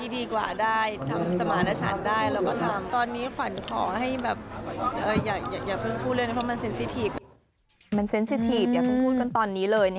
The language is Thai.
อยากต้องพูดกันตอนนี้เลย